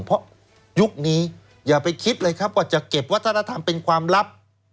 เพราะยุคนี้อย่าไปคิดเลยครับว่าจะเก็บวัฒนธรรมเป็นความลับ